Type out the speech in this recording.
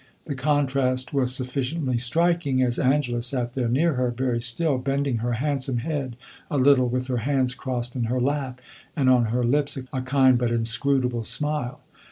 The contrast was sufficiently striking as Angela sat there near her, very still, bending her handsome head a little, with her hands crossed in her lap, and on her lips a kind but inscrutable smile.